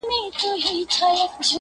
څه چي کرې هغه به رېبې.